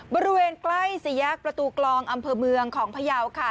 บริเวณใกล้สี่แยกประตูกลองอำเภอเมืองของพยาวค่ะ